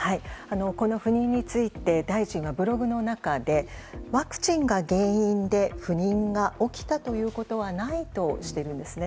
この不妊について大臣はブログの中でワクチンが原因で不妊が起きたということはないとしているんですね。